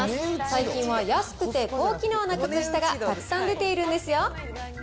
最近は安くて高機能な靴下がたくさん出ているんですよ。